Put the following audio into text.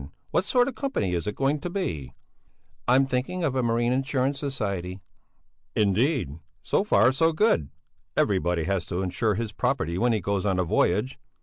What sort of a company is it going to be?" "I'm thinking of a marine insurance society." "Indeed! So far so good; everybody has to insure his property when he goes on a voyage.